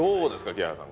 木原さん